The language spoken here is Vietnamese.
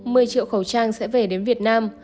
một mươi triệu khẩu trang sẽ về đến việt nam